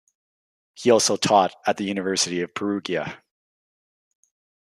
He also taught at the University of Perugia.